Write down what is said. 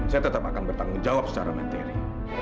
saya tetap akan bertanggung jawab secara materi